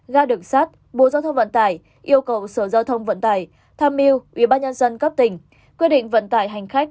ga đường sát bộ giao thông vận tải yêu cầu sở giao thông vận tải tham miu ubnd cấp tỉnh quyết định vận tải hành khách